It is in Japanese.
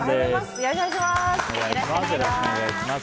よろしくお願いします。